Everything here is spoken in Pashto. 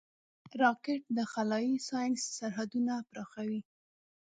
راکټ د خلایي ساینس سرحدونه پراخوي